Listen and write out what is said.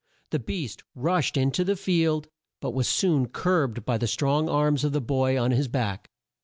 The beast rushed in to the field, but was soon curbed by the strong arms of the boy on his back.